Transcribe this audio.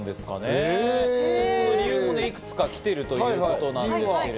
理由もいくつか来てるということです。